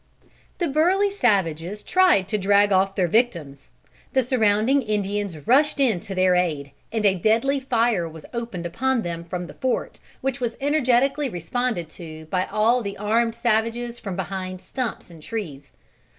The burly savages tried to drag off their victims. The surrounding Indians rushed in to their aid, and a deadly fire was opened upon them from the fort, which was energetically responded to by all the armed savages from behind stumps and trees.